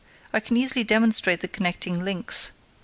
I can easily demonstrate the connecting links.